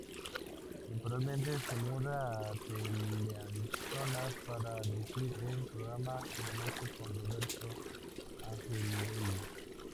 Temporalmente se muda a Teleamazonas para dirigir el programa "La Noche con Roberto Angelelli".